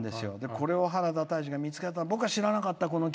これを原田泰治が見つけて僕は知らなかった。